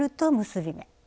結び目。